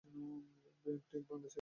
ব্যাংকটি বাংলাদেশেও কার্যক্রম চালায়।